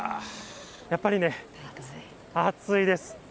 やっぱりね、暑いです。